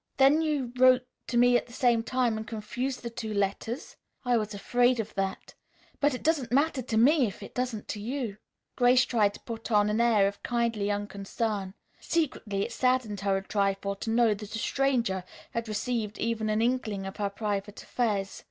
"Then you wrote to me at the same time and confused the two letters? I was afraid of that. But it doesn't matter to me if it doesn't to you." Grace tried to put on an air of kindly unconcern. Secretly it saddened her a trifle to know that a stranger had received even an inkling of her private affairs.